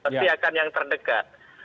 tapi akan yang terdekat